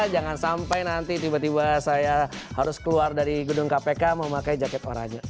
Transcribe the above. jangan sampai nanti tiba tiba saya harus keluar dari gedung kpk memakai jaket oranya